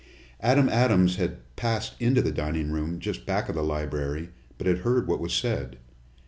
Adam Adams had passed into the dining room, just back of the library, but had heard what was said.